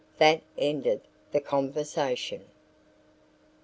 That ended the conversation.